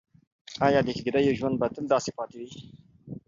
ایا د کيږديو ژوند به تل داسې پاتې وي؟